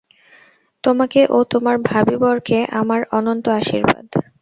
তোমাকে ও তোমার ভাবী বরকে আমার অনন্ত আশীর্বাদ।